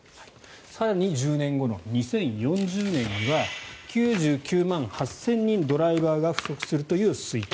更に１０年後の２０４０年には９９万８０００人ドライバーが不足するという推計。